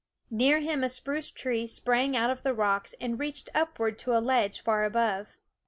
Near him a spruce tree sprang out of the rocks and reached upward to a ledge far above.